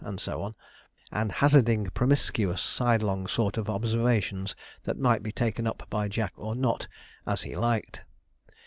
_'; and so on; and hazarding promiscuous sidelong sort of observations, that might be taken up by Jack or not, as he liked.